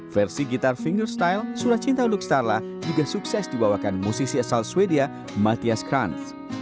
versi gitar fingerstyle surat cinta untuk starla juga sukses dibawakan musisi asal swedia mathias kranz